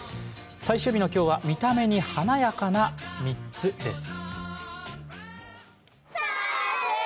最終日の今日は見た目に華やかな３つです。